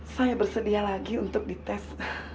saya bersedia lagi untuk dites